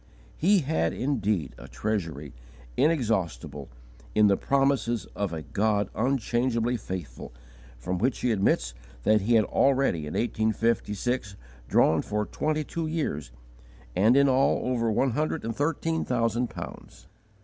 _ He had indeed a Treasury, inexhaustible in the promises of a God unchangeably faithful from which he admits that he had already in 1856 drawn for twenty two years, and in all over one hundred and thirteen thousand pounds.